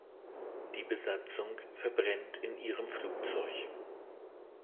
Die Besatzung verbrennt in ihrem Flugzeug.